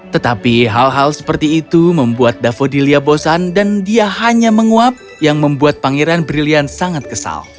tetapi hal hal seperti itu membuat davodilia bosan dan dia hanya menguap yang membuat pangeran brilian sangat kesal